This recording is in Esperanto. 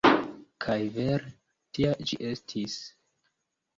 Kaj vere tia ĝi estis.